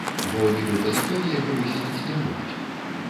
Бо нібы па законе яго выселіць не могуць.